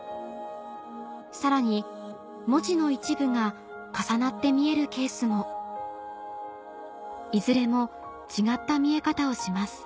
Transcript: さらに文字の一部が重なって見えるケースもいずれも違った見え方をします